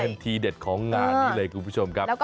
เป็นทีเด็ดของงานนี้เลยคุณผู้ชมครับ